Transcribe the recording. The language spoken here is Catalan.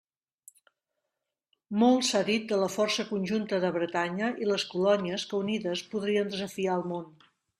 Molt s'ha dit de la força conjunta de Bretanya i les colònies, que unides podrien desafiar el món.